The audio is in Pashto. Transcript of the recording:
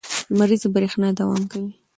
لمریزه برېښنا دوام کوي.